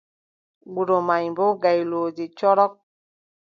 Wuro man, boo gaylooji corok.